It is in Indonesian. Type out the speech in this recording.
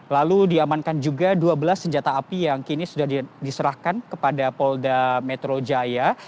lalu diamankan juga dua belas senjata api yang kini sudah diserahkan kepada polda metro jaya